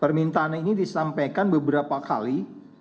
permintaan ini disampaikan beberapa kali